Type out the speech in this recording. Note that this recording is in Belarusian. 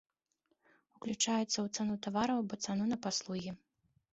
Уключаецца ў цану тавараў або цану на паслугі.